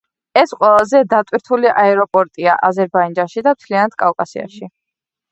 ეს ყველაზე დატვირთული აეროპორტია აზერბაიჯანში და მთლიანად კავკასიაში.